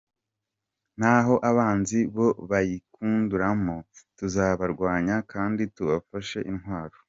Na ho abanzi bo bakiyidukururamo, tuzabarwanya kandi tudafashe intwaro.